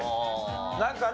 なんかね